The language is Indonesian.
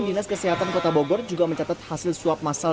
dinas kesehatan kota bogor juga mencatat hasil swab masal